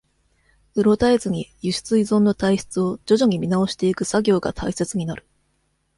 うろたえずに、輸出依存の体質を徐々に見直していく作業が大切になる。